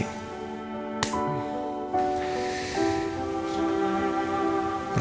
aku mau tidur